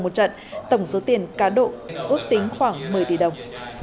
một trận tổng số tiền cá độ ước tính khoảng một mươi tỷ đồng